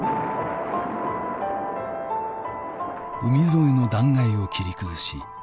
海沿いの断崖を切り崩し